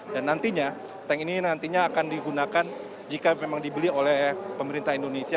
dan nantinya tank ini nantinya akan digunakan jika memang dibeli oleh pemerintah indonesia